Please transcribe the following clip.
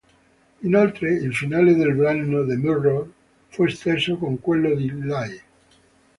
Inoltre, il finale del brano "The Mirror" fu esteso con quello di "Lie".